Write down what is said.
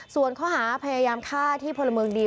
ส่วนข้อหาพยายามฆ่าที่พลเมืองดี